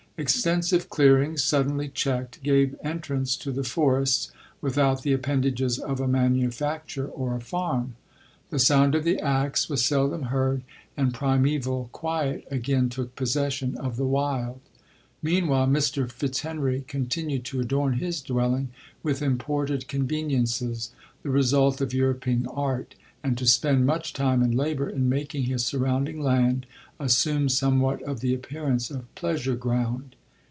Extensive clearings, suddenly checked, gave entrance to the forests, without the appendages of a manufacture or a farm. LODOIIE. 17 The sound of the axe was seldom heard, and primeval quiet again took possession of the wild. Meanwhile Mr. Fitzhenry continued to adorn his dwelling with imported conveniences, the result of European art, and to spend much time and labour in making his surrounding land assume somewhat of the appearance of pleasure* ground.